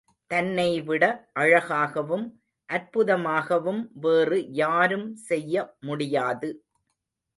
தன்னை விட அழகாகவும், அற்புதமாகவும் வேறு யாரும் செய்ய முடியாது.